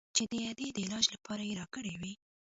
چې د ادې د علاج لپاره يې راكړى و.